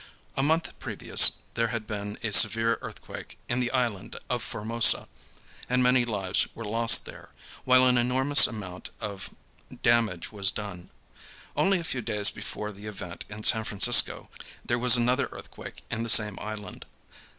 A month previous there had been a severe earthquake in the Island of Formosa, and many lives were lost there, while an enormous amount of damage was done. Only a few days before the event in San Francisco there was another earthquake in the same island.